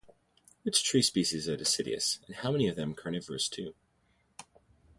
Which tree species are deciduous, and are any of them carnivorous too?